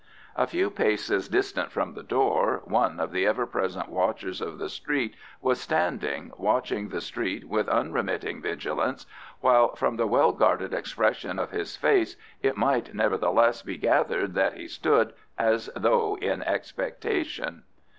A few paces distant from the door, one of the ever present watchers of the street was standing, watching the street with unremitting vigilance, while from the well guarded expression of his face it might nevertheless be gathered that he stood as though in expectation.